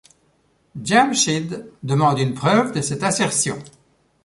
Djamchid demande une preuve de cette assertion.